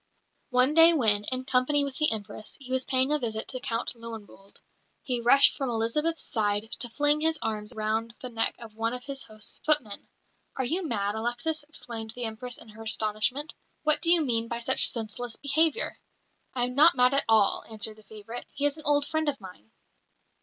One day when, in company with the Empress, he was paying a visit to Count Löwenwolde, he rushed from Elizabeth's side to fling his arms round the neck of one of his host's footmen. "Are you mad, Alexis?" exclaimed the Empress, in her astonishment. "What do you mean by such senseless behaviour?" "I am not mad at all," answered the favourite. "He is an old friend of mine."